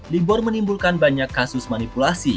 tersebut menimbulkan banyak kasus manipulasi